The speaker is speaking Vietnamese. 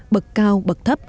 bậc cao bậc thấp